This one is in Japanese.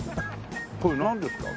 これなんですか？